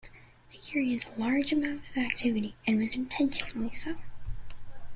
The curie is a large amount of activity, and was intentionally so.